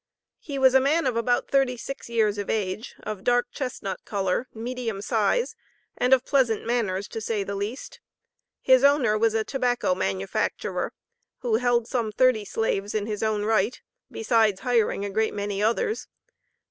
He was a man of about thirty six years of age, of dark chestnut color, medium size, and of pleasant manners to say the least. His owner was a tobacco manufacturer, who held some thirty slaves in his own right, besides hiring a great many others.